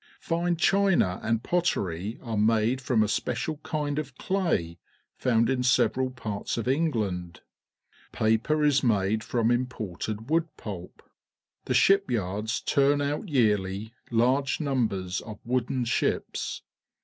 Fme china and pottex^ are made from a special kind of clay found in several parts of England. Pape* is made from imported wood pulp. The shipyards turn out yearly large numbers of wooden sliips.